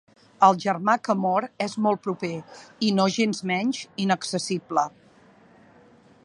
El germà que mor és molt proper, i nogensmenys inaccessible.